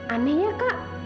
aneh ya kak